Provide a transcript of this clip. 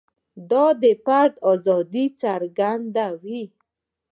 دا د فرد ازادي څرګندوي.